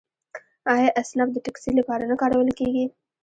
آیا اسنپ د ټکسي لپاره نه کارول کیږي؟